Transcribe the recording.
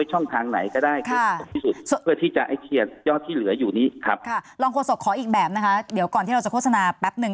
ลองโคโชคสบขออีกแบบนะคะเดี๋ยวก่อนที่เราจะโฆษณาแป๊ปนึง